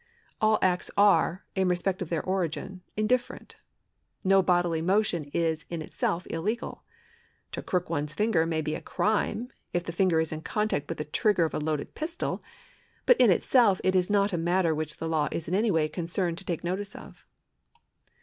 All acts are, in respect of their origin, indift'erent. No bodily motion is in itself illegal. To crook one's finger may be a crime, if the finger is in contact with the trigger of a loaded pistol ; but in itself it is not a matter which the law is in any way concerned to take notice of.